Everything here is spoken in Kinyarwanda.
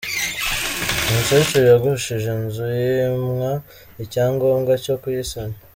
Umukecuru yagushije inzu yimwa icyangombwa cyo kuyisana